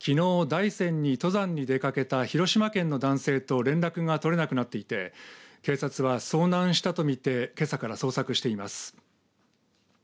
大山に登山に出かけた広島県の男性と連絡が取れなくなっていて警察は遭難したと見てけさから捜索しています。